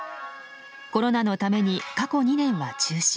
コロナのために過去２年は中止。